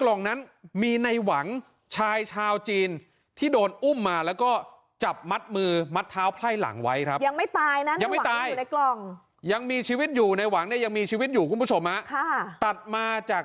กล่องนั้นมีในหวังชายชาวจีนที่โดนอุ้มมาแล้วก็จับมัดมือมัดเท้าไพ่หลังไว้ครับยังไม่ตายนะยังไม่ตายอยู่ในกล่องยังมีชีวิตอยู่ในหวังเนี่ยยังมีชีวิตอยู่คุณผู้ชมฮะค่ะตัดมาจาก